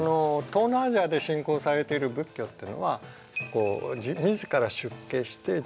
東南アジアで信仰されている仏教っていうのは自ら出家して修行してですね